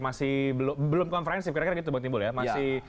masih belum komprehensif kira kira gitu mbak timbul ya